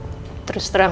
jadi niunan believing